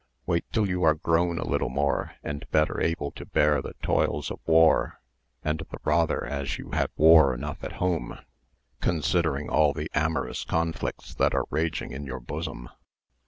Wait till you are grown a little more and better able to bear the toils of war; and the rather as you have war enough at home, considering all the amorous conflicts that are raging in your bosom.